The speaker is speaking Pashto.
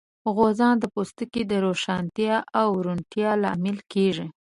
غوزان د پوستکي د روښانتیا او روڼتیا لامل کېږي.